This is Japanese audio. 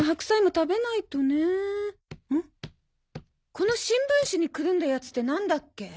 この新聞紙にくるんだやつってなんだっけ？